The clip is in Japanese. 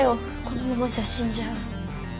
このままじゃ死んじゃう。